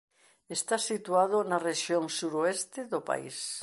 Está situado na Rexión Suroeste do pais.